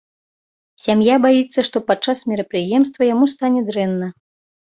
Сям'я баіцца, што падчас мерапрыемства яму стане дрэнна.